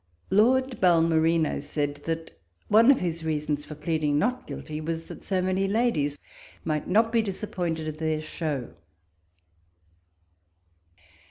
Lord Balmerino said, that one of his reasons for pleading not quilty, was that so many ladies might not be disappointed of their show.